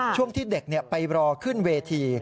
ช่วงที่เด็กไปรอขึ้นเวที